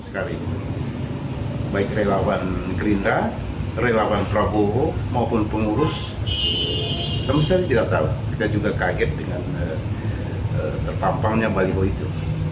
kita juga kaget dengan terpampangnya baliho itu